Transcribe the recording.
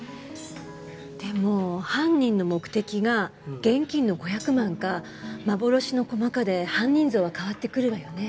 でも犯人の目的が現金の５００万か幻の駒かで犯人像は変わってくるわよね。